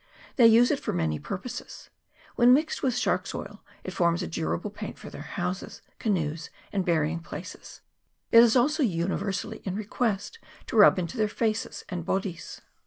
They use it for many purposes : when mixed with shark's oil, it forms a durable paint for their houses, canoes, and 160 NATIVE USES OF OCHRE. [PART I. burying places ; it is also universally in request to rub into their faces and bodies.